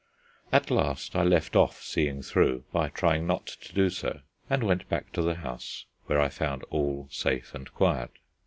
At last I left off seeing through, by trying not to do so, and went back to the house, where I found all safe and quiet.